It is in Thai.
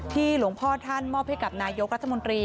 หลวงพ่อท่านมอบให้กับนายกรัฐมนตรี